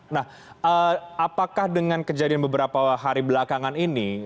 nah apakah dengan kejadian beberapa hari belakangan ini